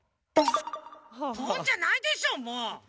ポンッ！じゃないでしょうもう！